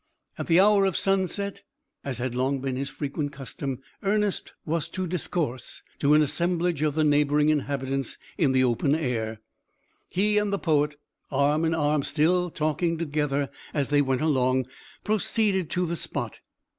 At the hour of sunset, as had long been his frequent custom, Ernest was to discourse to an assemblage of the neighbouring inhabitants in the open air. He and the poet, arm in arm, still talking together as they went along, proceeded to the spot.